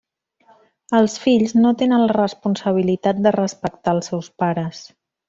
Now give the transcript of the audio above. Els fills no tenen la responsabilitat de respectar als seus pares.